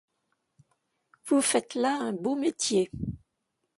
Vous faites là un beau métier!